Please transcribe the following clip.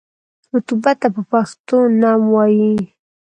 رطوبت ته په پښتو نم وايي.